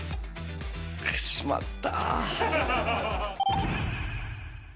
しまったー。